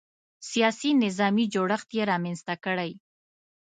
سیاسي نظامي جوړښت یې رامنځته کړی.